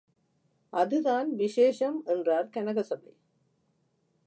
அதுதான் விசேஷம், என்றார் கனகசபை.